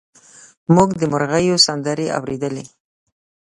موږ د مرغیو سندرې اورېدلې.